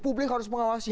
publik harus mengawasi